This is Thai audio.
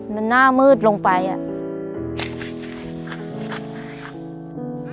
มันหน้ามืดลงไปอ่ะ